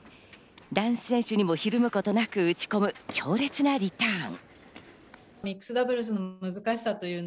男子選手にもひるむことなく打ち込む、強烈なリターン。